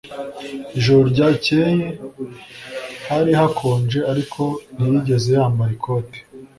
Ijoro ryakeye hari hakonje ariko ntiyigeze yambara ikote